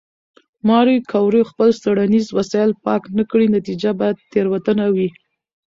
که ماري کوري خپل څېړنیز وسایل پاک نه کړي، نتیجه به تېروتنه وي.